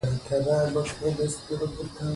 باران د افغان ځوانانو لپاره دلچسپي لري.